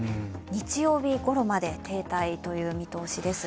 日曜日ごろまで停滞という見通しです。